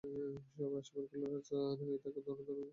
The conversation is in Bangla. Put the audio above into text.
সবাই আশীর্বাদ করলে, রাজরানী হয়ে থাকো, ধনে-পুত্রে লক্ষ্মীলাভ হোক।